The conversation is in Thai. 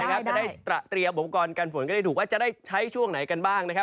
จะได้เตรียมอุปกรณ์การฝนกันได้ถูกว่าจะได้ใช้ช่วงไหนกันบ้างนะครับ